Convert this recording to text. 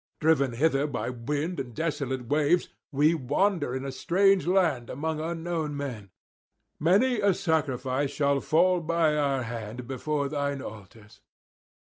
Driven hither by wind and desolate waves, we wander in a strange land among unknown men. Many a sacrifice shall fall by our hand before thine altars.'